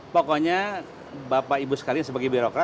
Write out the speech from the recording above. pokoknya bapak ibu sekalian sebagai birokrat